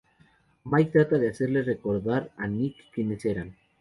Mike trata de hacerle recordar a Nick quienes eran.